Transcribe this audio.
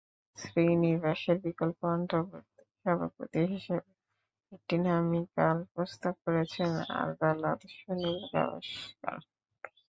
শ্রীনিবাসনের বিকল্প অন্তর্বর্তী সভাপতি হিসেবে একটি নামই কাল প্রস্তাব করেছেন আদালত—সুনীল গাভাস্কার।